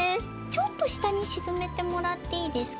ちょっとしたにしずめてもらっていいですか？